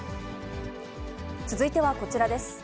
続いてはこちらです。